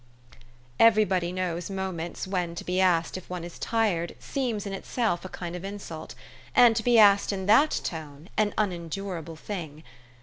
Everybody knows moments when to be asked if one is tired seems in itself a kind of insult, and to be asked in that tone, an unendurable thing.